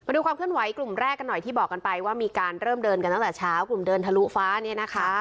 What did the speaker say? ดูความเคลื่อนไหวกลุ่มแรกกันหน่อยที่บอกกันไปว่ามีการเริ่มเดินกันตั้งแต่เช้ากลุ่มเดินทะลุฟ้าเนี่ยนะคะ